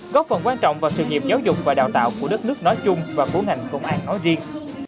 góp phần quan trọng vào sự nghiệp giáo dục và đào tạo của đất nước nói chung và của ngành công an nói riêng